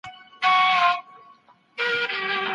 شوالیې به د خپل دین لپاره جنګېدل.